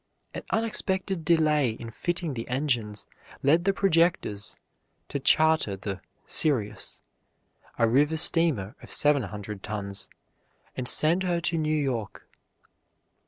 An unexpected delay in fitting the engines led the projectors to charter the Sirius, a river steamer of seven hundred tons, and send her to New York.